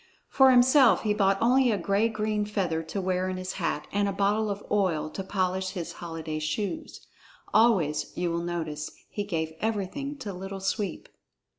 For himself he bought only a gay green feather to wear in his hat and a bottle of oil to polish his holiday shoes. Always, you will notice, he gave everything to Little Sweep.